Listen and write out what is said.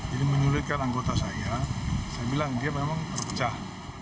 jadi menyuruhkan anggota saya saya bilang dia memang terpecah